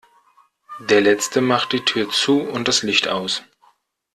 Der Letzte macht die Tür zu und das Licht aus.